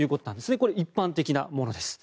これ一般的なものです。